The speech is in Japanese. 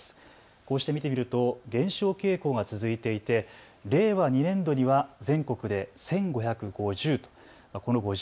こうして見てみると減少傾向が続いていて、令和２年度には全国で１５５０。